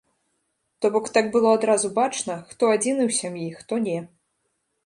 То бок так было адразу бачна, хто адзіны ў сям'і, хто не.